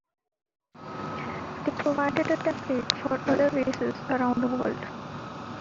They provided a template for other races around the world.